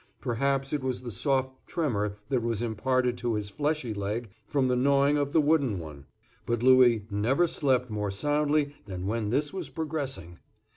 Perhaps it was the soft tremor that was imparted to his fleshy leg from the gnawing of the wooden one; but Louis never slept more soundly than when this was progressing.